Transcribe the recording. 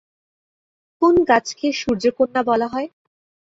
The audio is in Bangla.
কোন গাছকে সূর্যকন্যা বলা হয়?